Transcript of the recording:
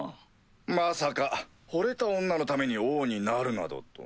まさか惚れた女のために王になるなどと。